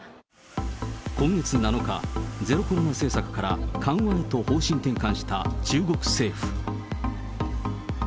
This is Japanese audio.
今月７日、ゼロコロナ政策から緩和へと方針転換した中国政府。